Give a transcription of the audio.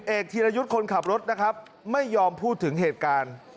ธีรยุทธ์คนขับรถนะครับไม่ยอมพูดถึงเหตุการณ์